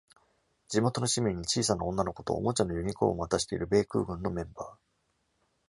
地元の市民に小さな女の子とおもちゃのユニコーンを渡している米空軍のメンバー